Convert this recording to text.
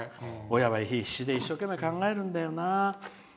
親は必死で一生懸命考えるんだよな。